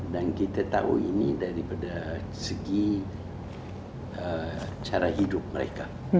dan kita tahu ini daripada segi cara hidup mereka